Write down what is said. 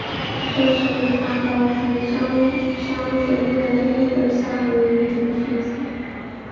这是他到檀香山学会的第一个夏威夷语句子。